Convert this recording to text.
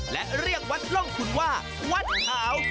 และเรียกวัดร่องคุณว่าวัดขาว